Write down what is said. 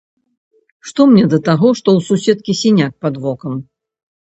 Што мне да таго, што ў суседкі сіняк пад вокам?